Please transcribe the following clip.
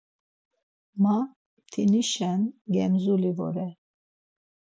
Ma mtinişen gemzuli vore.